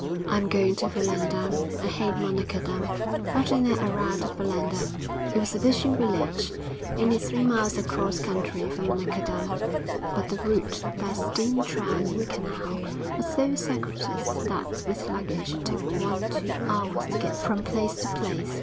I am going to Volendam; I hate Monnickendam_.' VI Ferdinand arrived at Volendam. It was a fishing village, only three miles across country from Monnickendam, but the route, by steam tram and canal, was so circuitous, that, with luggage, it took one two hours to get from place to place.